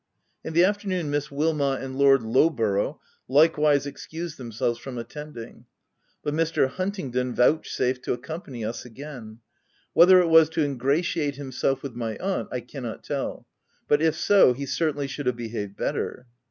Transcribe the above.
In the afternoon Miss Wilmot and Lord Lowborough likewise excused themselves from attending ; but Mr. Huntingdon vouch safed to accompany us again. Whether it was to ingratiate himself with my aunt I cannot tell, but, if so, he certainly should have behaved better.